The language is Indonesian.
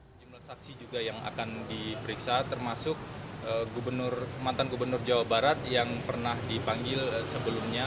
sejumlah saksi juga yang akan diperiksa termasuk mantan gubernur jawa barat yang pernah dipanggil sebelumnya